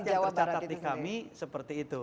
di jawa barat yang tercatat di kami seperti itu